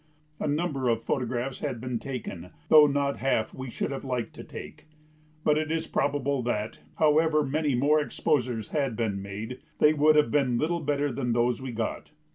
A number of photographs had been taken, though not half we should have liked to take, but it is probable that, however many more exposures had been made, they would have been little better than those we got.